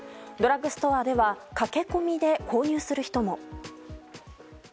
ドラッグストアでは駆け込みで購入する人も。